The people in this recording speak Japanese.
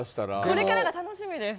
これからが楽しみです。